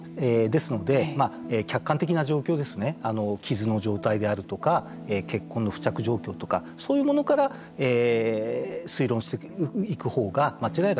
ですので、客観的な状況ですね傷の状態であるとか血痕の付着状況とかそういうものから推論していくほうが間違いが少ないと。